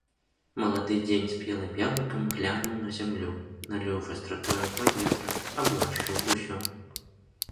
Малады дзень спелым яблыкам глянуў на зямлю, наліў вастратою паветра, аблашчыў усё.